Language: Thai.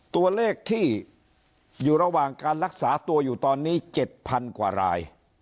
ตัวเลขที่อยู่ระหว่างการรักษาตัวอยู่ตอนนี้๗๐๐กว่าราย